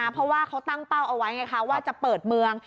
เพราะว่าเขาตั้งเป้าเอาไว้ไงคะว่าจะเปิดเมือง